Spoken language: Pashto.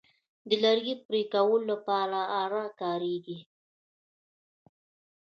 د لرګي د پرې کولو لپاره آره کاریږي.